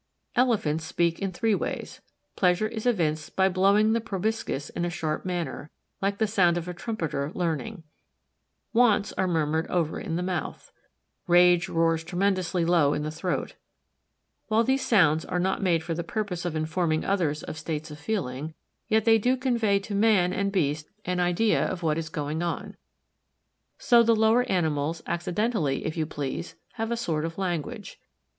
Elephants speak in three ways. Pleasure is evinced by blowing the proboscis in a sharp manner like the sound of a trumpeter learning. Wants are murmured over in the mouth. Rage roars tremendously low in the throat. While these sounds are not made for the purpose of informing others of states of feeling, yet they do convey to man and beast an idea of what is going on. So the lower animals accidentally, if you please, have a sort of language.